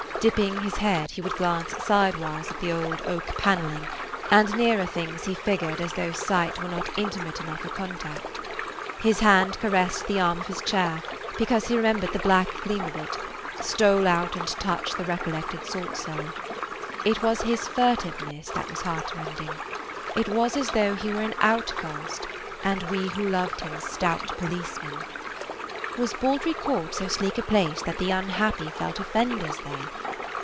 Dipping his head, he would glance sidewise at the old oak paneling, and nearer things he figured as though sight were not intimate enough a contact. His hand caressed the arm of his chair, because he remembered the black gleam of it, stole out and touched the recollected salt cellar. It was his furtiveness that was heartrending; it was as [Page 53] though he were an outcast, and we who loved him stout policemen. Was Baldry Court so sleek a place that the unhappy felt offenders there?